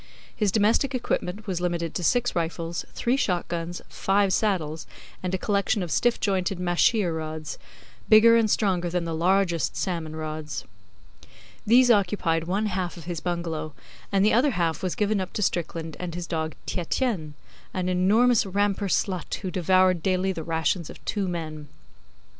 His domestic equipment was limited to six rifles, three shot guns, five saddles, and a collection of stiff jointed mahseer rods, bigger and stronger than the largest salmon rods. These occupied one half of his bungalow, and the other half was given up to Strickland and his dog Tietjens an enormous Rampur slut who devoured daily the rations of two men.